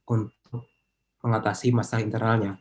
untuk mengatasi masalah internalnya